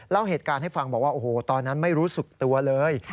เล่าเหตุการณ์ให้ฟังบอกว่าโอ้โหตอนนั้นไม่รู้สึกตัวเลย